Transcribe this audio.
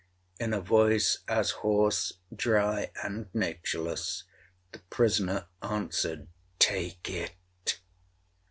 In a voice as hoarse, dry, and natureless, the prisoner answered, 'Take it!'